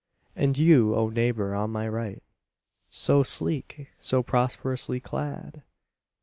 And you, O neighbour on my right So sleek, so prosperously clad!